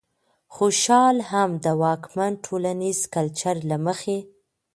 خوشال هم د واکمن ټولنيز کلچر له مخې